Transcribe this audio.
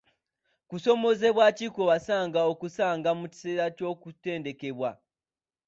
Kusoomooza ki kwe wasanga okusanga mu kiseera ky'okutendekebwa?